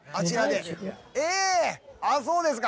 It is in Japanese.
あっそうですか！